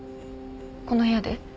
この部屋で。